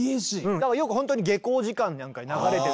だからよくほんとに下校時間なんかに流れてる所もある。